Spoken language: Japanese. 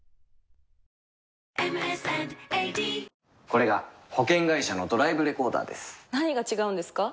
これが保険会社のドライブレコーダーです何が違うんですか？